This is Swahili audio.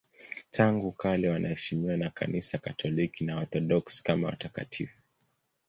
Tangu kale wanaheshimiwa na Kanisa Katoliki na Waorthodoksi kama watakatifu.